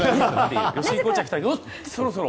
吉井コーチが来たら、そろそろ？